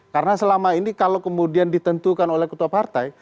karena selama ini kalau kemudian ditentukan oleh ketua partai